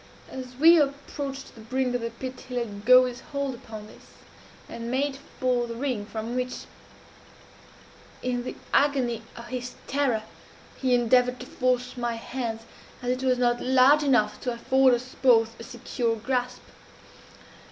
As we approached the brink of the pit he let go his hold upon this, and made for the ring, from which, in the agony of his terror, he endeavored to force my hands, as it was not large enough to afford us both a secure grasp.